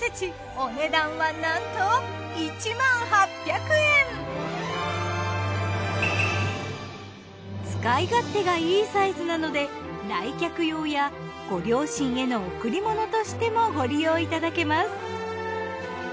お値段はなんと使い勝手がいいサイズなので来客用やご両親への贈り物としてもご利用いただけます。